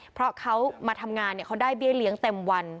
เพราะเขามาทำงานเขาได้เบี้ยเลี้ยงเต็มวัน